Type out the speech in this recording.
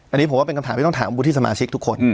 อันนี้ผมว่าเป็นคำถามที่ต้องถามวุฒิสมาชิกทุกคน